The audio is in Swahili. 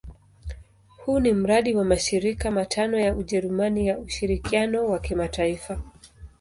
Huu ni mradi wa mashirika matano ya Ujerumani ya ushirikiano wa kimataifa.